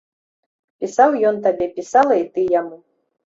Пісаў ён табе, пісала і ты яму.